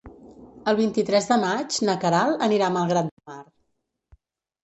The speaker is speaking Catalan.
El vint-i-tres de maig na Queralt anirà a Malgrat de Mar.